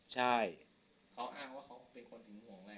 ใช่